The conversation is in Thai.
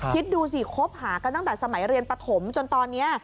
คิดดูสิคบหากันตั้งแต่สมัยเรียนปฐมจนตอนนี้